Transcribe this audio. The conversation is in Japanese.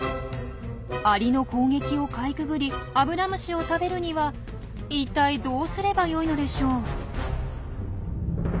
アリの攻撃をかいくぐりアブラムシを食べるには一体どうすればよいのでしょう？